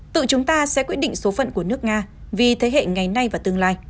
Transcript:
tự chúng ta sẽ quyết định số phận của nước nga vì thế hệ ngày nay và tương lai